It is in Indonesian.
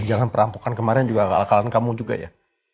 aku pesan kasih tadahnya